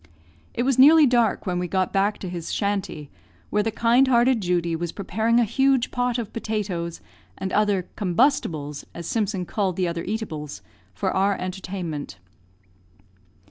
It was nearly dark when we got back to his "shanty," where the kind hearted Judy was preparing a huge pot of potatoes and other "combustibles," as Simpson called the other eatables, for our entertainment.